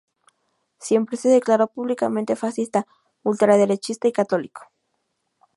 Siempre se declaró públicamente fascista, ultraderechista y católico.